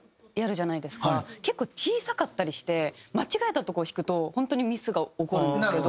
結構小さかったりして間違えたとこを弾くと本当にミスが起こるんですけど。